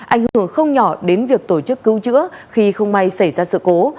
ảnh hưởng không nhỏ đến việc tổ chức cứu chữa khi không may xảy ra sự cố